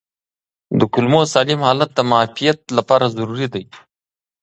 د کولمو سالم حالت د معافیت لپاره ضروري دی.